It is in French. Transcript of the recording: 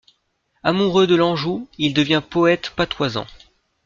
Amoureux de l’Anjou, il devient poète patoisant.